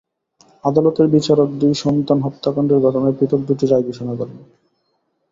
আদালতের বিচারক দুই সন্তান হত্যাকাণ্ডের ঘটনায় পৃথক দুটি রায় ঘোষণা করেন।